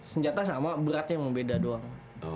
senjata sama beratnya emang beda doang